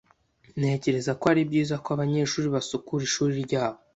Ntekereza ko ari byiza ko abanyeshuri basukura ishuri ryabo.